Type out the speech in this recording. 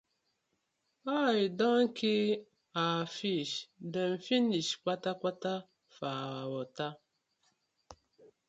Oil don kii our fish dem finish kpatakpata for our wata.